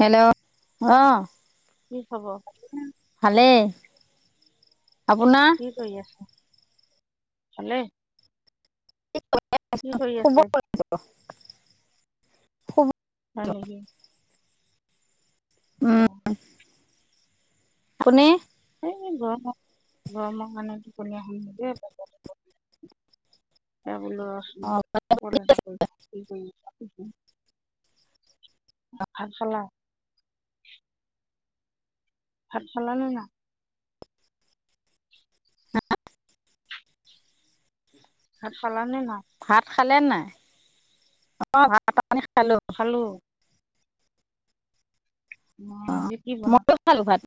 Hello আহ। কি খবৰ? ভালেই। আপোনাৰ? কি কৰি আছে? ভালে। কি কৰি [inaudible] শুব আছে? [unintelligible] হয় নেকি? অ', উম! কোনে? গৰমৰ গৰমৰ কাৰণে [inaudible] বোলো ৰহছোন অ ফোন এটা কৰো কি কৰি আছে। ভাত খালা? ভাত খালা নে নাই? ভাত খালা নে নাই? ভাত খালেনে নাই? অ [unintelligible] আমি খালো। খালোঁ। অ আজি কি বনালে? [inaudible]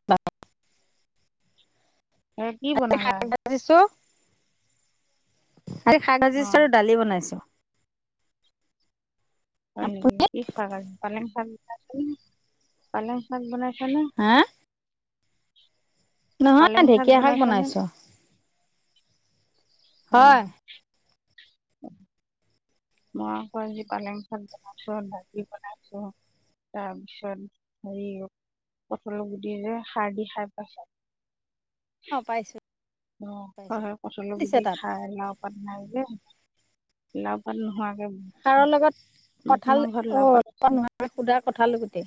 এ কি বনালা আজি? [unintelligible] দিছো। আজি শাক ভাজিছো অ', আৰু দালি বনাইছো। হয় নেকি কি? আপুনি কি শাক আজি? পালেং শাক উম পালেং শাক বনাই [inaudible] [inaudible] হা নহয়, ঢেকীয়া শাক বনাইছো। হয় ন [inaudible] মই আকৌ আজি পালেং শাক বনাইছো ডালি বনাইছো তাৰপিছত হেৰি কঠলৰ গুটি যে খাৰ দি খাই পা অ' পাইছো। অ' হয়, পাইছো হয়, কঠলৰ দিছে গুটি তাত খাই লা নাই যে [unintelligible] আগে সাৰৰ লগত কঁঠাল লাও পাত অ' আছে নহ [unintelligible] সোধা কঁঠাল গুটি।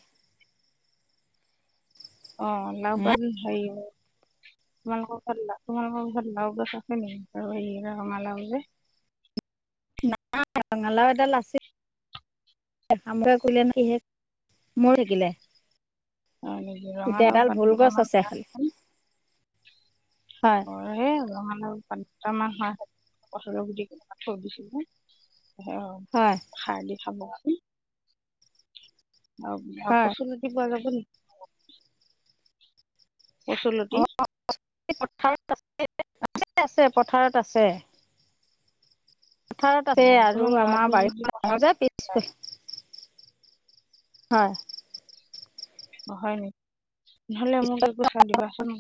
অ' লাও হে পা [unintelligible] তোমালোক [unintelligible] তোমালোক [unintelligible] আছে নেকি ৰঙা লাও যে নাই ৰঙালাও এডাল আছিল গিলে ৰঙা লাও পাত গছ দুটামান ব আছে খালি হয় [unintelligible] হে ৰঙা [unintelligible] [unintelligible] হয় অ খাৰ দি খাব [unintelligible] হয় কচু [unintelligible] পোৱা যাব ন কচুলতি [inaudible] আছে, আছে, পথাৰত আছে। পথাৰত আছে অ আৰু তোমাৰ ল'ৰাটো আমাৰ যদি বাৰীখন পথাৰত ডাঙৰ যে পি যায়, [unintelligible] হয়। [unintelligible] নহলে মোক একো [unintelligible] দিবাচোন [unintelligible]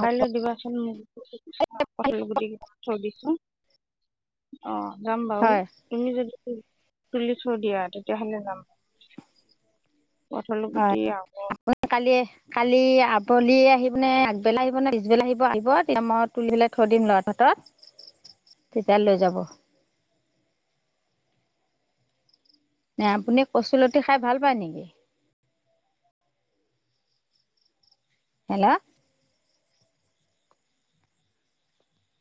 কাইলৈ দিবাচোন মোক [unintelligible] কঠল গুটি কেইটামান [unintelligible] হ অহ যাম বাও হয় তমি যদি তুলি থৈ দিয়া তেতিয়াহলে যাম পঠল গুট হয় আহ কালি কালি আবেলি আহি পে আগবেলা আহিব নে পিছবেলা আহিব আহিব তেতিয়া মই তুলি পেলাই থৈ দিম লৰা হাতত তেতিয়া লৈ যাব ন আপুনি কচুলতি খাই ভাল পায় নেকি হেল্ল'